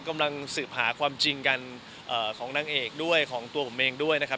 กำลังสืบหาความจริงกันของนางเอกด้วยของตัวผมเองด้วยนะครับ